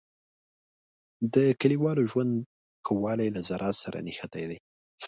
د کلیوالو ژوند ښه والی له زراعت سره نښتی دی.